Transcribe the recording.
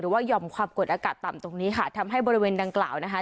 ว่ายอมความกดอากาศต่ำตรงนี้ค่ะทำให้บริเวณดังกล่าวนะคะ